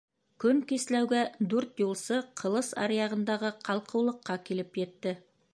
Көн кисләүгә, дүрт юлсы Ҡылыс аръяғындағы ҡалҡыулыҡҡа килеп етте.